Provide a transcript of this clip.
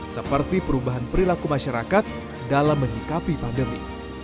seperti perubahan perilaku masyarakat dalam menyikapi pandemi